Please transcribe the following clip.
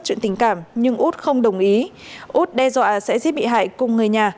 chuyện tình cảm nhưng út không đồng ý út đe dọa sẽ giết bị hại cùng người nhà